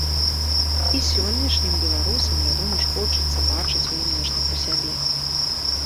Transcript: І сённяшнім беларусам, вядома ж, хочацца бачыць у ім нешта пра сябе.